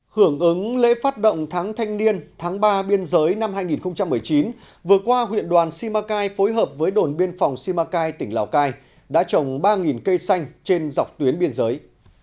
hưởng ứng lễ phát động tháng thanh niên tháng ba biên giới năm hai nghìn một mươi chín vừa qua huyện đoàn simacai phối hợp với đồn biên phòng simacai tỉnh lào cai đã trồng ba cây xanh trên dọc tuyến biên giới